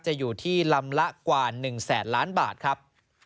อยู่ที่ลำละกว่า๑แสนล้านบาทครับ